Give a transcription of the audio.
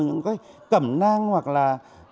những cái cẩm năng hoặc là